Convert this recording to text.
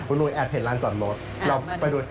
คุณหนูแอบเห็นร้านสอนรถเราไปดู